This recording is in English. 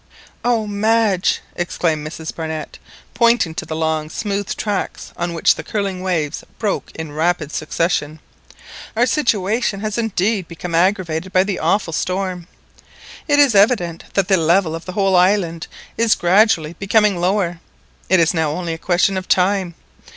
"O Madge!" exclaimed Mrs Barnett, pointing to the long smooth tracts on which the curling waves broke in rapid succession, "our situation has indeed become aggravated by the awful storm! It is evident that the level of the whole island is gradually becoming lower. It is now only a question of time.